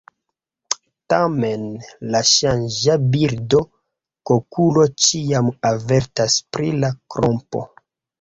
Tamen la saĝa birdo kukolo ĉiam avertas pri la trompo.